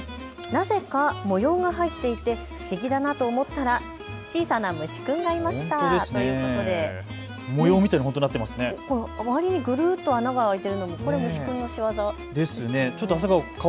なぜか模様が入っていて不思議だなと思ったら小さな虫君がいましたということで、周りにぐるっと穴が開いているのも虫君の仕業ですか。